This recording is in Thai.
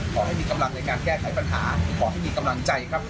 ขอให้มีกำลังในการแก้ไขปัญหาขอให้มีกำลังใจครับ